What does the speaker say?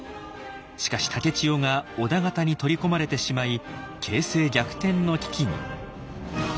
しかし竹千代が織田方に取り込まれてしまい形勢逆転の危機に。